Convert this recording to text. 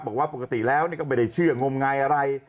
บอกว่าปกติแล้วก็ไม่ได้เชื่องมงายอะไร